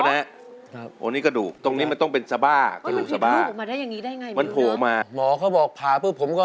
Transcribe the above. แล้วกระดูกโผล่อย่างนั้นได้อย่างไรคะ